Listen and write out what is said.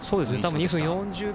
２分４０秒